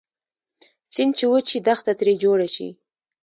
سیند چې وچ شي دښته تري جوړه شي